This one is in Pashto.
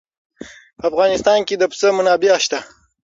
په افغانستان کې د پسه منابع شته.